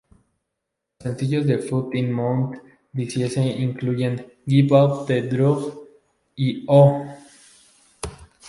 Los sencillos de Foot In Mouth Disease incluyen "Give Up The Grudge" y "Oh!